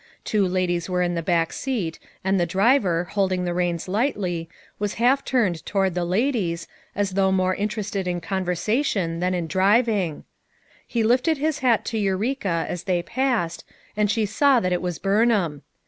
Two ladies were in the back seat and the driver, holding the reins lightly, was half turned toward the ladies, as though more interested in conversation than in driv 142 FOUR MOTHERS AT CHAUTAUQUA ing. He lifted his hat to Eureka as they passed, and she saw that it was Burnham.